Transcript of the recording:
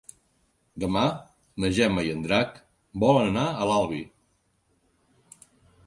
Demà na Gemma i en Drac volen anar a l'Albi.